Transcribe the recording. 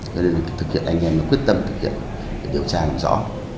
cho nên anh em quyết tâm thực hiện điều tra làm rõ